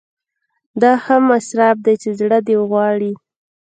دا هم اسراف دی چې زړه دې غواړي.